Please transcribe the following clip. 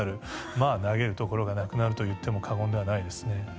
まあ投げるところがなくなるといっても過言ではないですね。